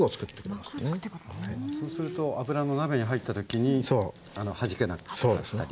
そうすると油の鍋に入った時にはじけなくなったり。